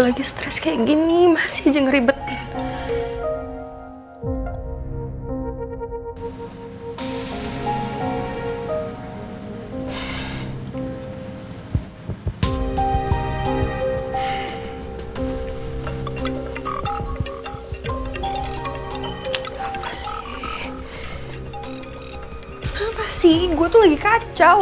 lo gak akan ditangkap